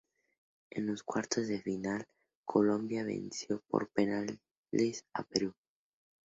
En los cuartos de final, Colombia venció por penales a Perú.